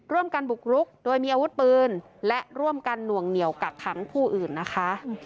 ร่วมกันบุกรุกโดยมีอาวุธปืนและร่วมกันหน่วงเหนียวกักขังผู้อื่นนะคะ